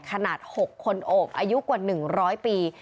ขนาด๖คนโอบอายุกว่า๑๐๐ปี